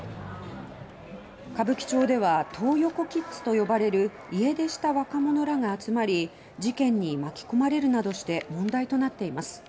歌舞伎町では「トー横キッズ」と呼ばれる家出した若者らが集まり事件に巻き込まれるなどして問題となっています。